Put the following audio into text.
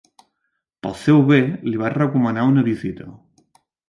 Pel seu bé li vaig recomanar una visita.